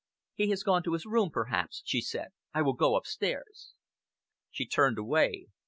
"He has gone to his room perhaps," she said. "I will go upstairs." She turned away.